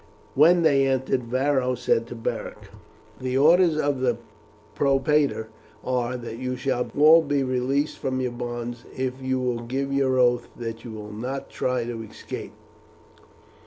When they entered Varo said to Beric: "The orders of the propraetor are, that you shall all be released from your bonds if you will give your oath that you will not try to escape."